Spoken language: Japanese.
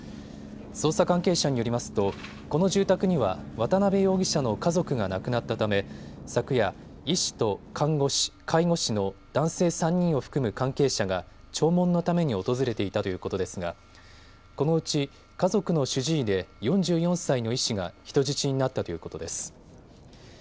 捜査関係者によりますとこの住宅には渡邊容疑者の家族が亡くなったため昨夜、医師と看護師、介護士の男性３人を含む関係者が弔問のために訪れていたということですがこのうち家族の主治医で４４歳の医師が人質になったということです。